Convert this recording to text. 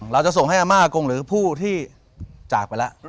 เราจะส่งให้อาม่ากงหรือผู้ที่จากไปแล้ว